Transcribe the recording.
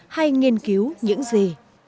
hay nghiên cứu những gì